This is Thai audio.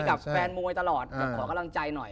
กับแฟนมวยตลอดขอกำลังใจหน่อย